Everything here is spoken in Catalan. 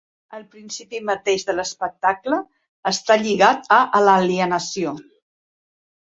El principi mateix de l'espectacle està lligat a l'alienació.